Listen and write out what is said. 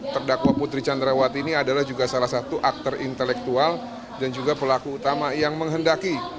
terdakwa putri candrawati ini adalah juga salah satu aktor intelektual dan juga pelaku utama yang menghendaki